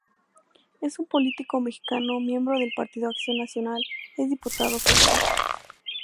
Es un político mexicano, miembro del Partido Acción Nacional, es Diputado Federal.